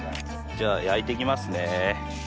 じゃあ焼いていきますね。